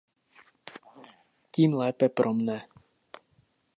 Tím lépe pro mne"".